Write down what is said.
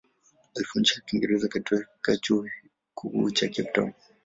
Alifundisha Kiingereza katika Chuo Kikuu cha Cape Town.